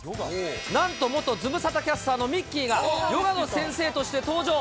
なんと元ズムサタキャスターのみっきーが、ヨガの先生として登場。